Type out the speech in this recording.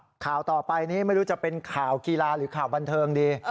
ข่าวต่อไปนี้ไม่รู้จะเป็นข่าวกีฬาหรือข่าวบันเทิงดี